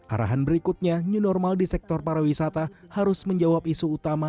arahan berikutnya new normal di sektor pariwisata harus menjawab isu utama